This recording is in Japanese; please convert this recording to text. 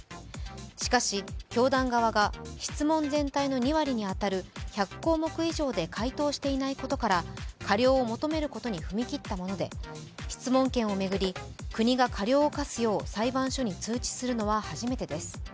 しかし教団側が質問全体の２割に当たる１００項目以上で回答していないことから過料を求めることに踏み切ったもので質問権を巡り国が過料を科すよう裁判所に通知するのは初めてです。